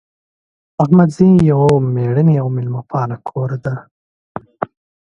احمدزی یو میړنۍ او میلمه پاله کور ده